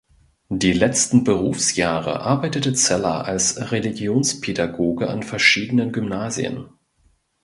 Die letzten Berufsjahre arbeitete Zeller als Religionspädagoge an verschiedenen Gymnasien.